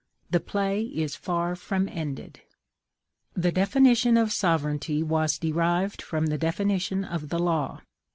The play is far from ended. The definition of sovereignty was derived from the definition of the law.